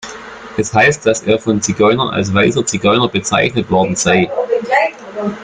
Es heißt, dass er von Zigeunern als „weißer Zigeuner“ bezeichnet worden sei.